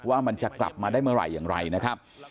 ว่ามันจะกลับมาได้เมื่อไหร่อย่างไรนะครับ